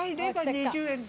２０円だ。